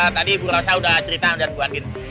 tadi bu rossa udah cerita dan buatin